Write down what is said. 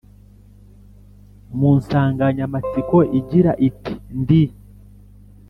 mu nsanganyamatsiko igira iti Ndi